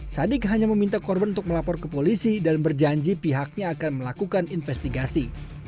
sadik hanya meminta korban untuk melapor ke polisi dan berjanji pihaknya akan melakukan investigasi